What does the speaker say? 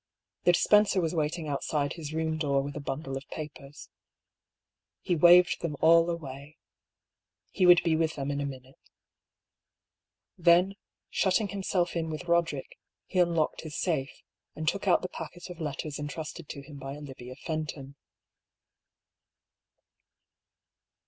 The dispenser was waiting outside his room door with a bundle of papers. He waved them all away. " He would be with them in a minute." Then shutting himself in with Boderick, he unlocked his safe, and took out the packet of letters entrusted to him by Olivia Fenton.